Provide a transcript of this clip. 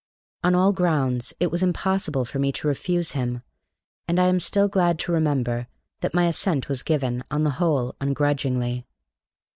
On all grounds, it was impossible for me to refuse him, and I am still glad to remember that my assent was given, on the whole, ungrudgingly.